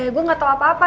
gue gak tau apa apa